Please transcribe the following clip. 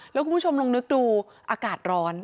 แล้วคุณผู้ชมลองนึกดูอากาศร้อน